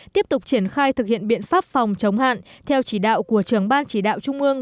tiếp tục triển khai thực hiện biện pháp phòng chống hạn theo chỉ đạo của trường ban chỉ đạo trung ương